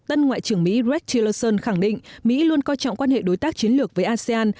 tân ngoại trưởng mỹ rece christon khẳng định mỹ luôn coi trọng quan hệ đối tác chiến lược với asean